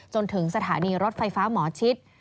จนถึงสถานีรถไฟฟ้าหมอชิด